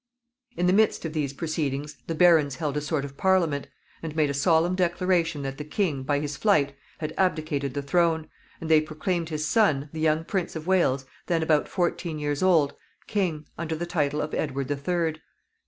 ] In the midst of these proceedings the barons held a sort of Parliament, and made a solemn declaration that the king, by his flight, had abdicated the throne, and they proclaimed his son, the young Prince of Wales, then about fourteen years old, king, under the title of Edward the Third.